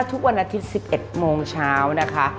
ทุกวันอาทิตย์๑๑โมงเช้านะคะ